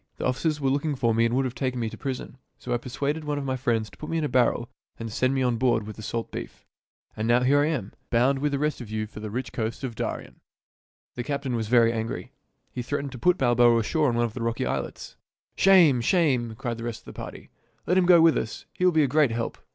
The officers were looking for me and would have taken me to prison. So I persuaded one of my friends to put me in a barrel and send me on board with the salt beef. And now here I am, bound with the rest of you for the rich coast of Darien." The captain was very angry. He threatened to put Balboa ashore on one of the rocky islets. " Shame ! shame !" cried the rest of the party. " Let him go with us. He will be a great help."